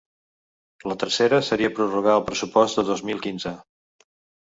La tercera seria prorrogar el pressupost de dos mil quinze.